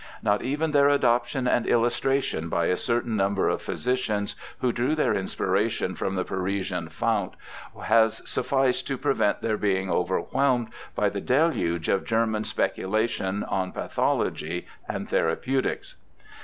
Not even their adoption and illustration by a certain number of phy sicians who drew their inspiration from the Parisian fount has sufficed to prevent their being overwhelmed by the deluge of German speculation on pathology and therapeutics.'